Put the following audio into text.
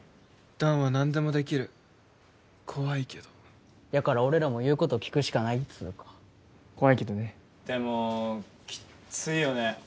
弾は何でもできる怖いけどやから俺らも言うこと聞くしかないっつうか怖いけどねでもきっついよね